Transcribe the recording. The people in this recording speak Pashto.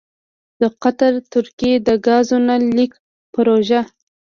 دقطر ترکیې دګازو نل لیکې پروژه: